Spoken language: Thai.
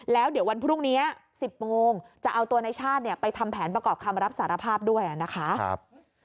แล้วเดี๋ยววันพรุ่งนี้๑๐โมงจะเอาตัวในชาติไปทำแผนประกอบคำรับสารภาพด้วยนะคะ